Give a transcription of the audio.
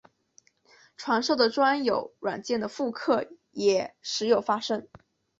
授权的专有软件的复刻也时有发生。